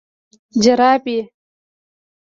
🧦جورابي